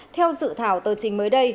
theo sự thảo tờ trình mới đây